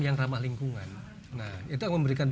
yang ramah lingkungan nah itu akan memberikan